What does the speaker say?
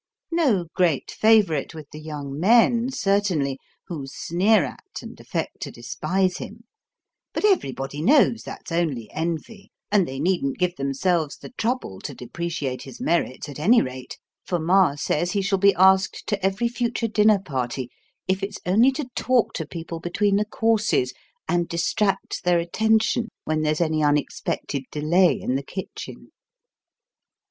No great favourite with the young men, certainly, who sneer at, and affect to despise him ; but everybody knows that's only envy, and they needn't give themselves the trouble to depreciate his merits at any rate, for Ma says he shall be asked to every future dinner party, if it's only to talk to people between the courses, and distract their attention when there's any unexpected delay in the kitchen.